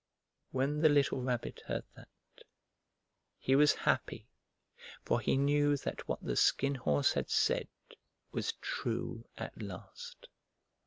When the little Rabbit heard that he was happy, for he knew that what the Skin Horse had said was true at last.